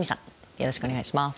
よろしくお願いします。